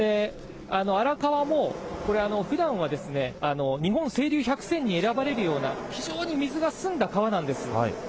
荒川もこれ、ふだんは日本清流百選に選ばれるような、非常に水が澄んだ川なんです。